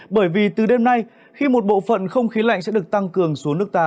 bởi vì từ đêm nay khi một bộ phận không khí lạnh sẽ được tăng cường xuống nước ta